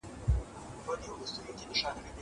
هغه څوک چي سفر کوي تجربه اخلي!!